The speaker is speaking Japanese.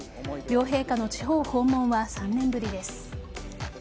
両陛下の地方訪問は３年ぶりです。